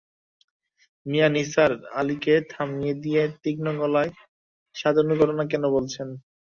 মিয়া নিসার আলিকে থামিয়ে দিয়ে তীক্ষ্ণ গলায়, সাজানো ঘটনা কেন বলছেন?